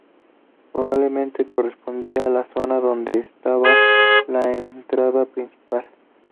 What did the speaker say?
Probablemente correspondía a la zona donde estaba la entrada principal.